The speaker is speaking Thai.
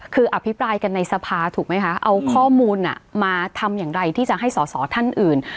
คืออภิปรายกันในสภาถูกไหมคะเอาข้อมูลมาทำอย่างไรที่จะให้สอสอท่านอื่น